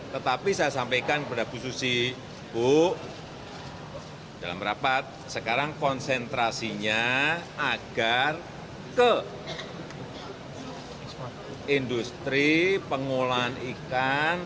tetapi saya sampaikan kepada bu susi bu dalam rapat sekarang konsentrasinya agar ke industri pengolahan ikan